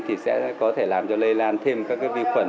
thì sẽ có thể làm cho lây lan thêm các vi khuẩn